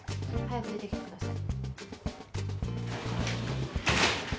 早く出てきてください。